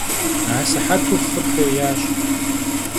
Асыхьэту хъыр хъеящ.